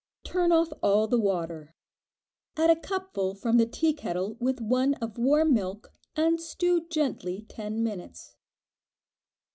Turn off all the water; add a cupful from the tea kettle with one of warm milk and stew gently ten minutes.